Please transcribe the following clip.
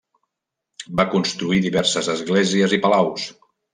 Va construir diverses esglésies i palaus.